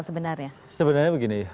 sebenarnya sebenarnya begini